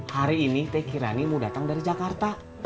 hari ini teh kirani mau dateng dari jakarta